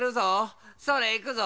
それいくぞ！